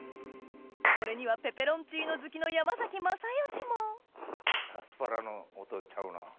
これにはペペロンチーノ好きの山崎まさよしもアスパラの音ちゃうな。